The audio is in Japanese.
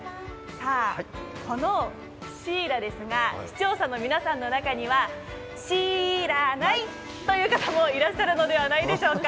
このシイラですが視聴者の皆さんの中にはシーイラない！という方もいらっしゃるのではないでしょうか。